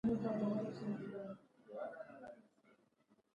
هغوی د یادونه له یادونو سره راتلونکی جوړولو هیله لرله.